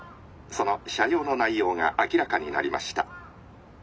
その車両の内容が明らかになりました。